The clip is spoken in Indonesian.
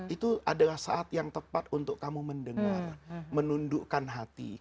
itu adalah saat yang tepat untuk kamu mendengar menundukkan hati